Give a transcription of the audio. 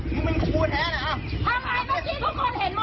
ทำให้ราวรอร้องถั่ว